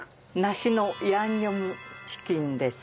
梨のヤンニョムチキンです。